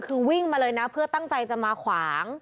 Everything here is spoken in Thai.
คือวิ่งมาเลยนะเพื่อตั้งใจจะมาขวาง